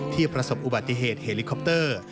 ประสบอุบัติเหตุเฮลิคอปเตอร์